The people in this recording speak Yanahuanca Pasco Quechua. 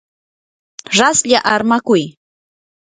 raslla armakuy.